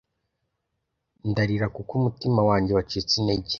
Ndarira kuko umutima wanjye wacitse intege